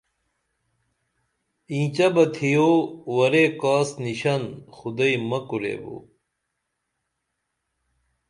اینچہ بہ تِھیو ورے کاس نِشن خُدئی مہ کوریبو